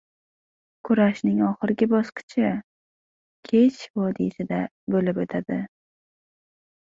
Kurashning oxirgi bosqichi Kesh vodiysida bo‘lib o‘tadi.